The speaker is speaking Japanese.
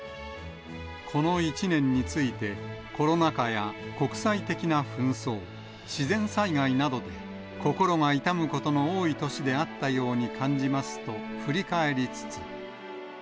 この一年について、コロナ禍や国際的な紛争、自然災害などで心が痛むことの多い年であったように感じますと振り返りつつ。